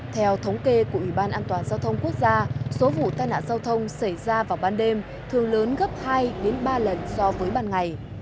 theo thống kê của ủy ban an toàn giao thông quốc gia số vụ tai nạn giao thông xảy ra vào ban đêm thường lớn gấp hai đến ba lần so với ban ngày